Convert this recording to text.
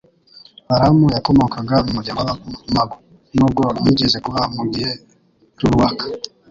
Balamu yakomokaga mu muryango w'abamago, nubwo yigeze kuba mu gihe ruruaka,